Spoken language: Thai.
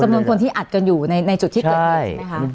สมมุติคนที่อัดในชุดที่เกิด